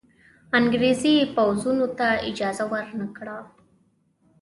انګرېزي پوځونو ته اجازه ورنه کړه.